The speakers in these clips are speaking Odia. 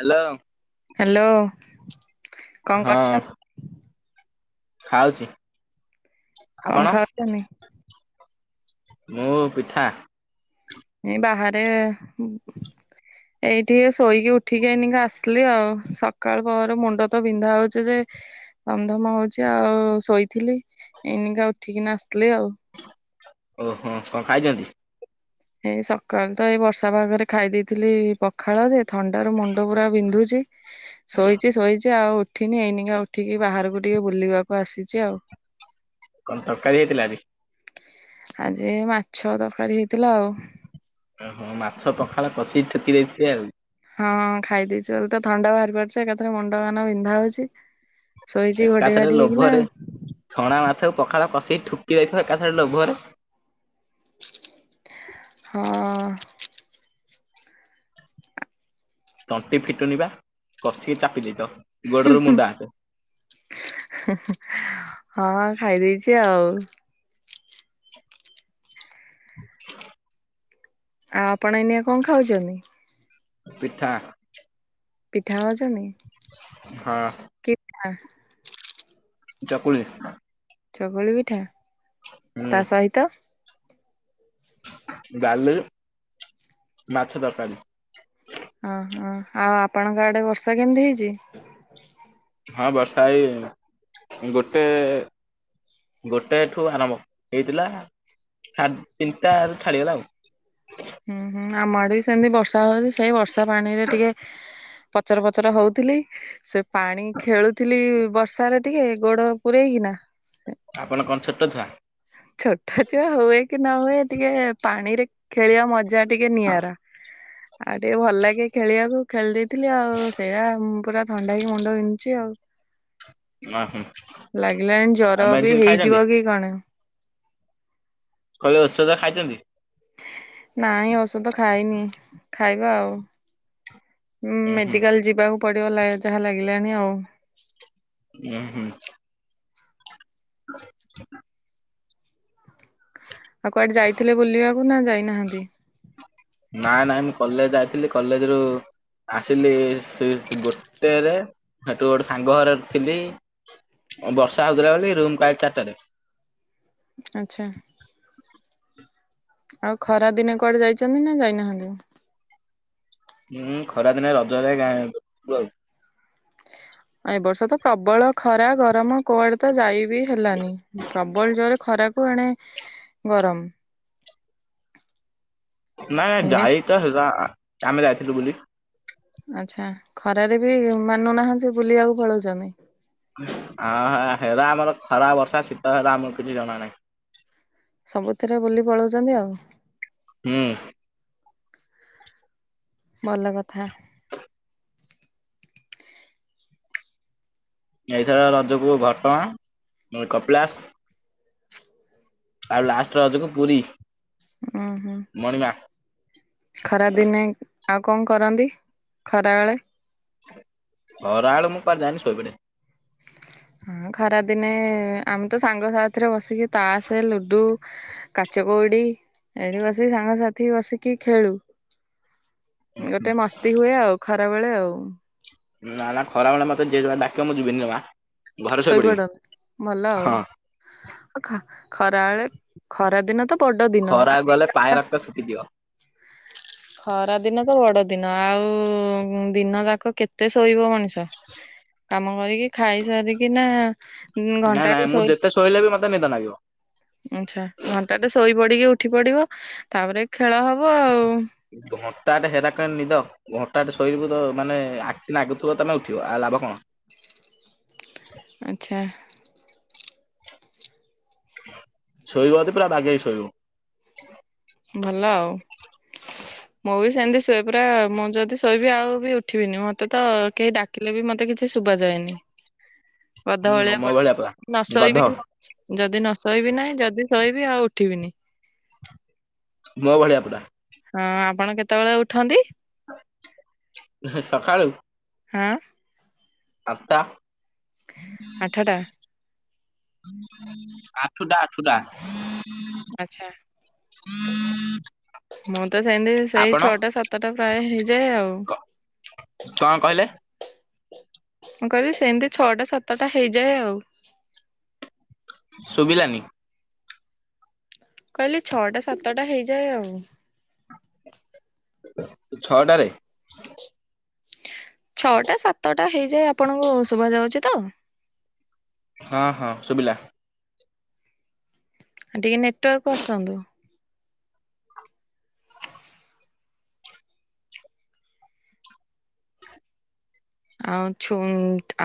ହଲୋ। ହାଲୋ କଣ ହଁ କରୁଛ? ଖାଉଛି କଣ ଆପଣ? ଖାଉଛନ୍ତି? ମୁଁ ପିଠା। ଉଁ ବାହାରେ ଉଁ ଏଇଠି ଶୋଇକି ଉଠିକି ଏଇନିକା ଆସିଲି ଆଉ ସକାଳ ପହରୁ ମୁଣ୍ଡ ତ ବିନ୍ଧା ହଉଛି ଯେ ଧମଧମା ହଉଛି ଆଉ ଶୋଇଥିଲି ଏଇନିକା ଉଠିକିନା ଆସିଲି ଆଉ। ଓହୋ ହଁ କଁ ଖାଇଛନ୍ତି? ଏଇ ସକାଳୁ ତ ଏ ବର୍ଷା ପାଗରେ ଖାଇ ଦେଇଥିଲି ପଖାଳ ଯେ ଥଣ୍ଡାରୁ ମୁଣ୍ଡ ପୁରା ବିନ୍ଧୁଚି ଶୋଇଛି ଶୋଇଛି ଆଉ ଉଠିନି ଏଇନିକା ଉଠିକି ବାହାରକୁ ଟିକେ ବୁଲିବାକୁ ଆସିଛି ଆଉ। କଣ ତରକାରୀ ହେଇଥିଲା ଆଜି? ଆଜି ମାଛ ତରକାରୀ ହେଇଥିଲା ଆଉ। ଓହୋ ମାଛ ପଖାଳ କଷିକି ଠୁକି ଦେଇଥିବେ ଆଉ। ହଁ ଖାଇ ଦେଇଛୁ ଆଉ ତ ଥଣ୍ଡା ବାହାରି ପଡ଼ିଛି ଏକାଥରେ ମୁଣ୍ଡ କାନ ବିନ୍ଧା ହଉଛି। ଶୋଇଛି ଘୋଡେଇ ଏକାଥରେ ଘାଡି ହେଇକିନା ଲୋଭରେ ଆଉ। ଛଣା ମାଛକୁ ପଖାଳ କସିକି ଠୁକି ଦେଇଥିବ ଏକାଥରେ ଲୋଭରେ। ହଁ। ତଣ୍ଟି ଫିଟୁନି ବା କଷିକି ଚାପି ଦେଇଛ ଗୋଡ଼ରୁ ମୁଣ୍ଡ ହାତେ। ହେଁ ହେଁ ହଁ ଖାଇ ଦେଇଛି ଆଉ। ଆଉ ଆପଣ ଏଇନିକା କଣ ଖାଉଛନ୍ତି? ପିଠା। ପିଠା ଖାଉଛନ୍ତି? ହଁ। କି ପିଠା? ଚକୁଳି। ଚକୁଳି ପିଠା ହୁଁ ତା ସହିତ? ଡାଲି ମାଛ ତରକାରୀ। ଓହୋ ଆଉ ଆପଣଙ୍କ ଆଡେ ବର୍ଷା କେମିତି ହେଇଛି। ହଁ ବର୍ଷା ଏଇ ଗୋଟେ ଗୋଟେ ଠୁ ଆରମ୍ଭ ହେଇଥିଲା ସାଢେ ତିନିଟା ଛାଡିଗଲା ଆଉ। ହୁଁ ହୁଁ ଆମ ଆଡେ ବି ସେମିତି ବର୍ଷା ହଉଛି ସେଇ ବର୍ଷା ପାଣି ରେ ଟିକେ ପଚର ପଚର ହଉଥିଲି ସେ ପାଣି ଖେଳୁଥିଲି ବର୍ଷାରେ ଟିକେ ଗୋଡ ପୁରେଇକି ନା ଆପଣ କଣ ଛୋଟ ଛୁଆ। ଛୋଟ ଛୁଆ ହୁଏ କି ନ ହୁଏ ଟିକେ ପାଣିରେ ଖେଳିବା ମଜା ଟିକେ ନିଆରା ଆଉ ଟିକେ ଭଲ ଲାଗେ ଖେଳିବାକୁ ଖେଳି ଦେଇେଇଥିଲି ଆଉ ସେଇଆ ପୁରା ଥଣ୍ଡା ହେଇ ମୁଣ୍ଡ ବିନ୍ଧୁଛି ଆଉ। ଅ ହୁଁ ଲାଗିଲାଣି ଆଉ ଜର ବି ମେଡିସିନ ଖାଇଛନ୍ତି ହେଇଯିବ କି କଣ। କହ ଔଷଧ ଖାଇଛନ୍ତି। ନାଇଁ ଔଷଧ ଖାଇନି ଖାଇବା ଆଉ ଉୁଁ ହୁଁ ମେଡିକାଲ ଯିବାକୁ ପଡ଼ିବ ଯାହା ଲାଗିଲାଣି ଆଉ। ଉୁଁ ହୁଁ। [unintelligible] ଆଉ କୁଆଡେ ଯାଇଥିଲେ ବୁଲିବାକୁ ନା ଯାଇନାହାନ୍ତି। ନାଇଁ ନାଇଁ ମୁଁ କଲେଜ ଯାଇଥିଲି କଲେଜ ରୁ ଆସିଲି ସେ ଗୋଟେରେ ସେଠୁ ଗୋଟେ ସାଙ୍ଗ ଘରେ ଥିଲି। ବର୍ଷା ହଉଥିଲା ବୋଲି ରୁମକୁଆଇଲି ଚାଟାରେ। ଆଚ୍ଛା। ଆଉ ଖରା ଦିନେ କୁଆଡେ ଯାଇଛନ୍ତି ନା ଯାଇନାହାନ୍ତି। ହୁଁ ଖରା ଦିନେ ରଜରେ ଗାଁ ଏ ବର୍ଷ ତ ପ୍ରବଳ ଖରା ଗରମ କୁଆଡେ ତ ଯାଇ ବିି ହେଲାନି ପ୍ରବଳ ଜୋରରେ ଖରା କୁଆଡେ ଗରମ। ନାଇଁ ହେ ଯାଇ ତ ହେଲା ଆମେ ଯାଇଥିଲୁ ବୁଲି। ଆଚ୍ଛା ଖରାରେ ବି ମାନୁନାହାନ୍ତି ବୁଲିବାକୁ ପଳଉଛନ୍ତି। ହଁ ହ ହେଲା ଆମର ଖରା ବର୍ଷା ଶୀତ ହେଲା ଆମକୁ କିଛି ଜଣା ନାହିଁ। ସବୁଥିରେ ବୁଲି ପଳଉଛନ୍ତି ଆଉ। ହୁଁ। ଭଲ କଥା। ଏଇଥର ରଜକୁୁ ଘଟଗାଁ କପିଳାସ। ଆଉ ଲାଷ୍ଟ ରଜକୁ ପୁରୀ। ଉ ହୁଁ। ମଣିିମା। ଖରା ଦିନେ ଆଉ କଣ କରନ୍ତି ଖରା ବେଳେ। ଖରାବେଳେ ମୁଁ କୁଆଡେ ଯାନି ଶୋଇପଡେ। ହଁ ଖରା ଦିନେ ଆମେ ତ ସାଙ୍ଗ ସାଥିରେ ବସିକି ତାସେ ଲୁଡୁ କାଚ କଉଡ଼ି ଏଠି ବସିକି ସାଙ୍ଗସାଥି ବସିକି ଖେଳୁ। ଗୋଟେ ମସ୍ତି ହୁଏ ଆଉ ଖରା ବେଳେ ଆଉ। ନା ନା ଖରାବେଳେ ମତେ ଜିଏ ଡାକିବ ମୁଁ ଯିବିନି ଜମା। ଘରେ ଶୋଇପଡିବି। ଶୋଇପଡ ଭଲ ହଁ। ଆଉ ଖରାବେଳେ ଖରାଦିନ ତ ବଡ ଦିନ। ଖରାକୁ ଗଲେ ପାୟରାସ୍ତା ଶୁଖିଯିବ ଖରା ଦିନ ତ ବଡ ଦିନ ଆଉ ଦିନ ଯାକ କେତେ ଶୋଇବ ମଣିଷ। କାମ କରିକି ଖାଇ ସାରିକି ନା ନାଇଁ ନାଇଁ ମୁଁ ଯେତେ ଶୋଇଲେ ବି ମତେ ନିଦ ଲାଗିବ। ଆଛା ଘଣ୍ଟାଟେ ଶୋଇ ପଡିକି ଉଠି ପଡିବ ତାପରେ ଖେଳ ହବ ଆଉ। ଘଣ୍ଟାଟେ ହେରା କର ନିଦ। ଘଣ୍ଟାଟେ ସୋଇବୁ ତ ମାନେ ଆଖି ଲାଗୁଥିବ ତମେ ଉଠିବ ଆଉ ଲାଭ କଣ? ଆଚଛା। ଶୋଇବ ଯଦି ପୁରା ବାଗେଇକି ଶୋଇବ। ଭଲ ଆଉ ମୁଁ ବି ସେମିତି ଶଇବ ପୁରା ମୁଁ ଯଦି ଶୋଇବି ଆଉ ବି ଉଠିବିନି। ମତେ ତ କେହି ଡାକିଲେ ବି ମତେ କିଛି ଶୁଭାଯାଏନି। ଗଧ ହୁଁ ଭଳିଆ ମୋ ପଡ ପୁରା। ପଡ଼ିଥିବି ଗଧ ନସୋଇବି ଯଦି ନସୋଇିବି ନାହିଁ, ଯଦି ଶୋଇିବି ଆଉ ଉଠିବିନି। ମୋ ଭଳିଆ ପୁରା। ହଁ ଆପଣ କେତେବେଳେ ଉଠନ୍ତି? ହେ ସକାଳୁ? ହଁ। ଆଠ ଟା। ଆଠଟା ଆଠୁଟା ଆଠୁଟା। ଆଚଛା। [inaudible] ମୁଁ ତ ସେମିତି ସେଇ ଆପଣ ଛଅଟା ସାତଟା ପ୍ରାୟ ହେଇଯାଏ ଆଉ। କଣ କହିଲେ? ମୁ କହିଲି ସେମିତି ଛଅଟା ସାତଟା ହେଇଯାଏ ଆଉ। ଶୁଭିଲାନି। ମୁ କହିଲି ଛଅଟା ସାତଟା ହେଇଯାଏ ଆଉ। ଛଅଟାରେ? ଛଅଟା ସାତଟା ହେଇଯାଏ ଆପଣଙ୍କୁ ଶୁଭାଯାଉଚି ତ? ହଁ ହଁ ସୁଭିଲା। ଆ ଟିକେ ନେଟୱାର୍କକୁ ଆସନ୍ତୁ। ଆଉ ଛୁ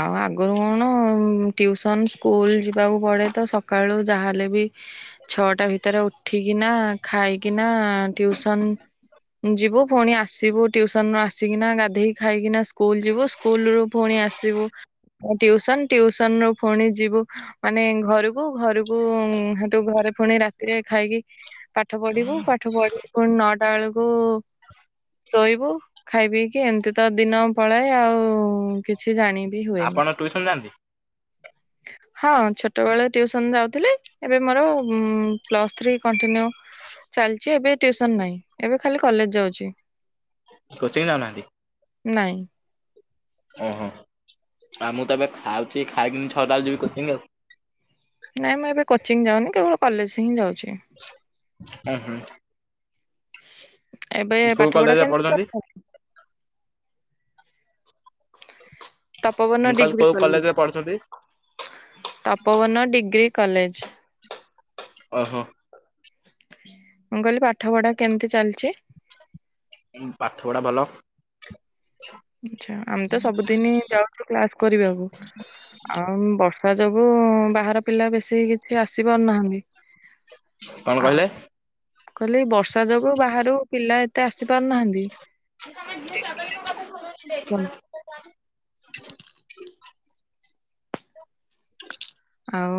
ଆଉ ଆଗରୁ କଣ ଟ୍ୟଉସନ୍ ସ୍କୁଲ ଯିବାକୁ ପଡ଼େ ତ ସକ କାଳୁ ଯାହାହେଲେ ବି ଛଅଟା ଭିତରେ ଉଠିକିନା ଖାଇକିନା ଟିଉସନ ଯିବୁ, ପୁଣି ଆସିବୁ ଟିଉସନରୁ ଆସିକିନା ଗାଧେଇକି ଖାଇକିନା ସ୍କୁଲ ଯିବୁ। ସ୍କୁଲ ରୁ ପୁଣି ଆସିବୁ ଟିଉସନ, ଟିଉସନ ରୁ ପୁଣି ଯିବୁ ମାନେ ଘରକୁ, ଘରକୁ ହେଟୁ ଘରେ ପୁଣି ରାତିରେ ଖାଇକି ପାଠ ପଢିବୁ। ପାଠ ପଢି ପୁଣି ନଅଟା ବେଳକୁ ଶୋଇବୁ ଖାଇ ପିଇକି। ଏମିତି ତ ଦିନ ପଳାଏ ଆଉ କିଛି ଜାଣି ବି ହୁଏନି। ଆପଣ ଟ୍ୟୁସନ ଯାଆନ୍ତି? ହଁ ଛୋଟବେଳେ ଟିଉସନ୍ ଯାଉଥିଲି ଏବେ ମୋର ପ୍ଲସ୍ ଥ୍ରୀ କଣ୍ଟିନ୍ୟୁ ଚାଲିଚି, ଏବେ ଟ୍ୟଉସନ ନାହିଁ ଏବେ ଖାଲି କଲେଜ ଯାଉଚି। କୋଚିଂ ଯାଉନାହାନ୍ତି? ନାଇଁ। ଓହୋ। ଆଉ ମୁଁ ତ ଏବେ ଖାଉଚି। ଖାଇକିନି ଛଅଟା ବେଳେ ଯିବି କୋଚିଂ ଆଉ। ନାଇଁ ମୁଁ ଏବେ କୋଚିଂ ଯାଉନି କେବଳ କଲେଜ ହିଁ ଯାଉଚି। ଉ ହୁଁ। ଏବେ କୋଉ ପାଠ ପଢା କଲେଜରେ କେମିତି କ ପଢୁଛନ୍ତି? [unintelligible] ମୁଁ କହିଲି କୋଉ କଲେଜରେ ପଢୁଚନ୍ତି? Tapoban degree college. ଓହୋ। ମୁଁ କହିଲି ପାଠ ପଢା କେମିତି ଚାଲିଚି? ପାଠ ପଢ଼ା ଭଲ। ଆଛା, ଆମେ ତ ସବୁଦିନ ଯାଉଚୁ କ୍ଲାସ କରିବାକୁ। ଆଉ ବର୍ଷା ଯୋଗୁ ବାହାର ପିଲା ବେଶୀ କିଛି ଆସି ପାରୁନାହାନ୍ତି। କଣ କହିଲେ? କହିଲି ବର୍ଷା ଯୋଗୁ ବାହାରୁ ପିଲା ଏତେ ଆସି ପାରୁନାହାନ୍ତି। [unintelligible] [unintelligible] ଆଉ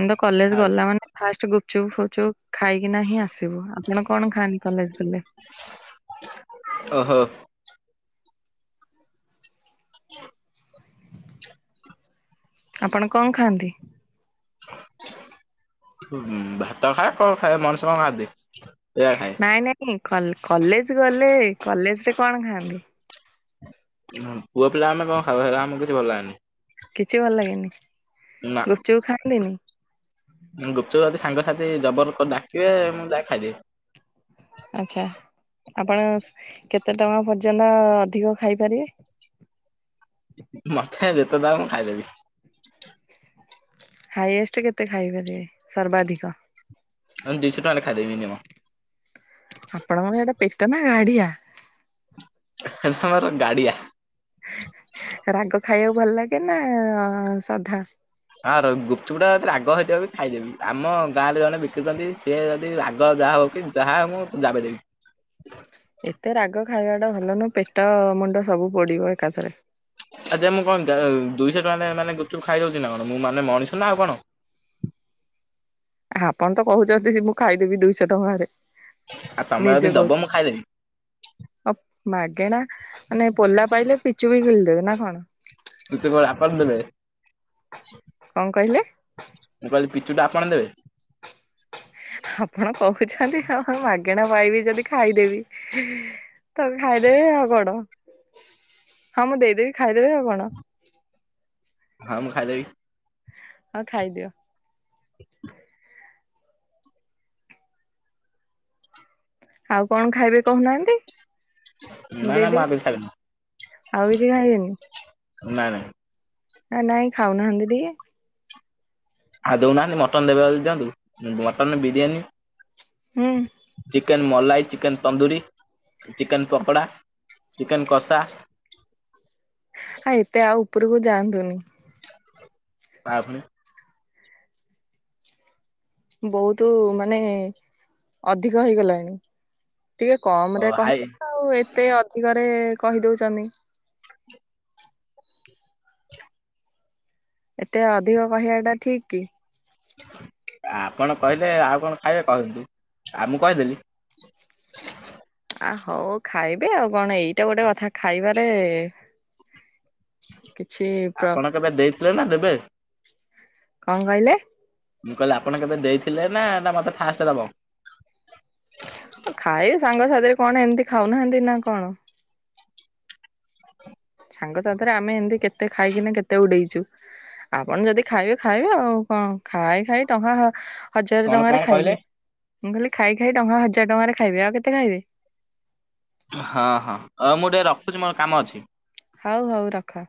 ଆମେ ତ କଲେଜ୍ ଗଲା ମାନେ ଫାଷ୍ଟ ଗୁପଚୁପ ଫୁପଚୁପ ଖାଇକିନା ହିିଁ ଆସିବୁ, ଆପଣ କଣ ଖାଆନ୍ତି କଲେଜ୍ ଗଲେ? ଓହୋ। [unintelligible] ଆପଣ କଣ ଖାଆନ୍ତି? ହୁଁ, ଭାତ ଖାଏ, କଣ ଖାଏ? ମଣିଷ କଣ ଖାଆନ୍ତି? ସେଇଆ ଖାଏ। ନାଇଁ ନାଇଁ କଲ କଲେଜ୍ ଗଲେ କଲେଜ୍ ରେ କଣ ଖାଆନ୍ତି? [unintelligible] ପୁଅ ପିଲା ଆମେ କଣ ଖାଇବୁ, ହେରା ଆମକୁ କିଛି ଭଲ ଲାଗେନି। କିଛି ଭଲ ଲାଗେନି? ନା ଗୁପଚୁପ ଖାଆନ୍ତିନି? ଗୁପଚୁପ ଯଦି ସାଙ୍ଗସାଥି ଜବର କରି ଡାକିବେ ମୁଁ ଯାଏ ଖାଇଦିଏ। ଆଚଛା ଆପଣ କେତେ ଟଙ୍କା ପର୍ଯ୍ୟନ୍ତ ଅଧିକ ଖାଇପାରିବେ? ମୋତେ ଯେତେ ଦବ ମୁଁ ଖାଇଦେବି। ହାଇଏଷ୍ଟ କେତେ ଖାଇପାରିବେ ସର୍ବାଧିକ? ଏଇ ଦିଶ ଟଙ୍କାରେ ଖାଇଦେବି ମିନିମମ୍। ଆପଣଙ୍କର ସେଟା ପେଟ ନା ଗାଢିଆ? ହେଲଥ୍ ମୋର ଗାଡିଆ। ରାଗ ଖାଇବାକୁ ଭଲ ଲାଗେ ନା ଅ, ସାଧା? ଆର ଗୁପଚୁପ ଟା ଯଦି ରାଗ ହେଇଥିବ ବି ଖାଇଦେବି, ଆମ ଗାଁରେ ଜଣେ ବିକୁଚନ୍ତି ସିଏ ଯଦି ରାଗ ଯାହା ହଉ କି ଯାହା ହଉ ମୁଁ ଯାବେ ଦେବି। ଏତେ ରାଗ ଖାଇବା ଟା ଭଲ ନୁହଁ, ପେଟ ମୁଣ୍ଡ ସବୁ ପୋଡିବ ଏକାଥରେ। ଆ ଯେ ମୁଁ କଣ ଯାଉ ଦୁଇଶହ ଟଙ୍କା ନେ-ମାନେ ଗୁପଚୁପ ଖାଇ ଦଉଚି ନା କଣ, ମୁଁ ମାନେ ମଣିଷ ନା ଆଉ କଣ? ଆପଣ ତ କହୁଚନ୍ତି [inaudible] ମୁଁ ଖାଇଦେବି ଦୁଇଶହ ଟଙ୍କାରେ। ଆଉ ତୋମେ ଯଦି ଦବ ମୁଁ ଖାଇଦେବି। ଅ, ମାଗେଣା ମାନେ ପୋଲା ପାଇଲେ ପିଚୁ ବି ଗିଲିଦେବେ ନା କଣ? ପିଚୁ କଣ ଆପଣ ଦେବେ? କଣ କହିଲେ? ମୁଁ କହିଲି ପିଚୁ ଟା ଆପଣ ଦେବେ? ଆପଣ କହୁଛନ୍ତି ହଁ ମାଗେଣା ପାଇବି ଯଦି ଖାଇଦେବି। ତ ଖାଇଦେବେ ଆଉ କଣ, ହଁ ମୁଁ ଦେଇଦେବି ଖାଇଦେବେ ଆଉ କଣ। ହଁ ମୁଁ ଖାଇଦେବି। ହଁ ଖାଇଦିଅ। [inaudible] ଆଉ କଣ ଖାଇବେ କହୁ ନାହାନ୍ତି? ନା ନା ମୁଁ ଆଉ ଦେଇଦେବେ, କିଛି ଖାଇବିନି ଆଉ କିଛି ଖାଇବେନି? ନାଇଁ ନାଇଁ। ନା ନାଇଁ ଖାଉନାହାନ୍ତି ଟିକେ। ଆଉ ଦଉନାହାନ୍ତି ମଟନ୍ ଦେବେ ଯଦି ଦିଅନ୍ତୁ। ଉଁ, ମଟନ୍ ବିରିୟାନୀ। ହୁଁ chicken malai, chicken tandoori, chicken pakoda, chicken କଷା। ଆ, ଏତେ ଆଉ ଉପରକୁ ଯାଆନ୍ତୁନି। ପା ଫୁଣି ବହୁତୁ ମାନେ ଅଧିକ ହେଇଗଲାଣି। ଟିକେ କମ୍ ରେ ହାଇ କହିବ ନା ଆଉ ଏତେ ଅଧିକ ରେ କହିଦଉଚନି। ଏତେ ଅଧିକ କହିବା ଟା ଠିକ କି? ଆପଣ କହିଲେ, ଆଉ କଣ ଖାଇବେ କହନ୍ତୁ। ଆଉ ମୁଁ କହିଦେଲି। ହ [inaudible] ଆ, ହଉ ଖାଇବେ ଆଉ କଣ ଏଇ ଟା ଗୋଟେ କଥା ଖାଇବାରେ କି ଆପଣ କେବେ ଦେଇଥିଲେ ନା ଦେବେ? କଣ କହିଲେ? ମୁଁ କହିଲି ଆପଣ କେବେ ଦେଇଥିଲେ ନା ନା ମୋତେ ଫାଷ୍ଟ ଦେବ? ଆଉ ଖାଇବେ ସାଙ୍ଗସାଥିରେ କଣ ଏମିତି ଖାଉନାହାନ୍ତି ନା କଣ। ସାଙ୍ଗସାଥିରେ ଆମେ ଏମିତି କେତେ ଖାଇକିନା କେତେ ଉଡେଇଛୁ। ଆପଣ ଯଦି ଖାଇବେ ଖାଇବେ ଆଉ କଣ ଖାଇ ଖାଇ ଟଙ୍କା ହଜାର କଣ ଟଙ୍କାରେ କଣ କହିଲେ? ଖାଇବେ ମୁଁ କହିଲି ଖାଇ ଖାଇ ଟଙ୍କା ହଜାର ଟଙ୍କାରେ ଖାଇବେ ଆଉ କେତେ ଖାଇବେ? ହଁ ହଁ ହଉ ମୁଁ ଟିକେ ରଖୁଛି ମୋର କାମ ଅଛି। ହଉ ହଉ ରଖ।